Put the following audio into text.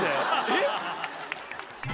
えっ？